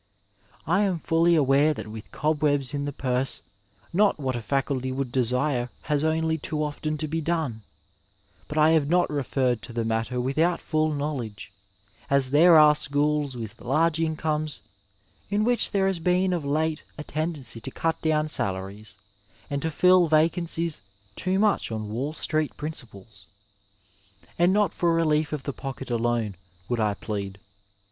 I am fully aware that with cobwebs in the purse not what a faculty would desire has only too often to be done, but I have not referred to the matter without full knowledge, as there are schools with large incomes in which there has been of late a tendency to cut down salaries and to fill vacancies too much on Wall Street principles. And not for relief of the pocket alone '^^ould I plead.